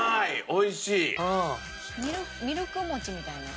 ミルク餅みたいな感じ？